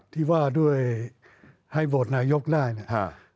ที่ว่าด้วยให้โหวตนายกได้เนี่ย